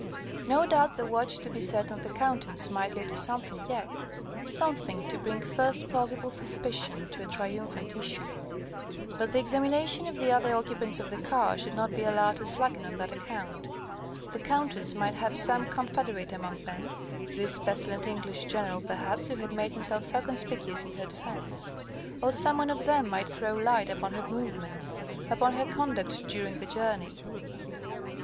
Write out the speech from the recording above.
No doubt the watch to be set on the Countess might lead to something yet something to bring first plausible suspicion to a triumphant issue; but the examination of the other occupants of the car should not be allowed to slacken on that account. The Countess might have some confederate among them this pestilent English General, perhaps, who had made himself so conspicuous in her defence; or some one of them might throw light upon her movements, upon her conduct during the journey.